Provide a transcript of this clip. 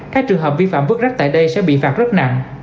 các trường hợp vi phạm vứt rác tại đây sẽ bị phạt rất nặng